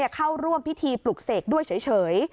เข้าร่วมพิธีปลุกเสกด้วยเฉย